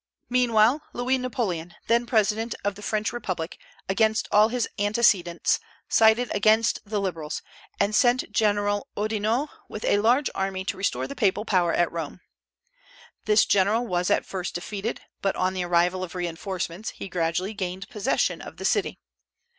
Meanwhile, Louis Napoleon, then President of the French Republic, against all his antecedents, sided against the Liberals, and sent General Oudinot with a large army to restore the papal power at Rome. This general was at first defeated, but, on the arrival of reinforcements, he gradually gained possession of the city.